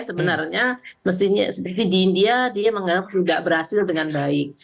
sebenarnya mestinya seperti di india dia menganggap tidak berhasil dengan baik